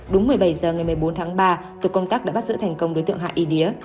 đúng một mươi bảy h ngày một mươi bốn tháng ba tổ công tác đã bắt giữ thành công đối tượng hạ y đía